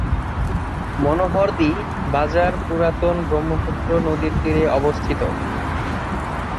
মনোহরদী বাজার পুরাতন ব্রহ্মপুত্র নদীর তীরে অবস্থিত।